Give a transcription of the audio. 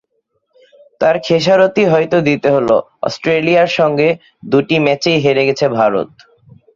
তার খেসারতই হয়তো দিতে হলো, অস্ট্রেলিয়ার সঙ্গে দুটি ম্যাচেই হেরে গেছে ভারত।